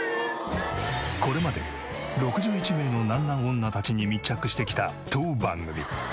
これまで６１名のなんなん女たちに密着してきた当番組。